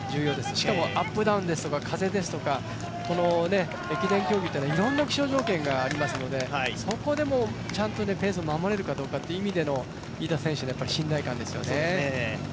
しかもアップダウンですとか風ですとか、駅伝競技は、いろんな気象条件がありますからそこでちゃんとペース守れるかどうかという意味での飯田選手の信頼感ですよね。